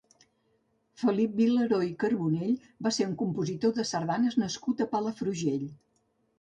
Felip Vilaró i Carbonell va ser un compositor de sardanes nascut a Palafrugell.